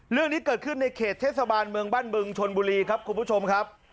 เรื่องนี้เกิดขึ้นในเขตเทศบาลเมืองบ้านบึงชนบุรีครับคุณผู้ชมครับ